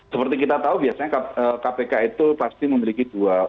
seperti kita tahu biasanya kpk itu pasti memiliki dua